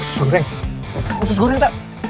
susu goreng susu goreng tuh